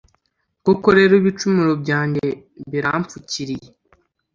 Koko rero ibicumuro byanjye birampfukiriye